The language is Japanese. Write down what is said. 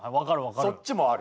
そっちもある。